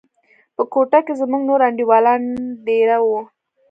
په کوټه کښې زموږ نور انډيوالان دېره وو.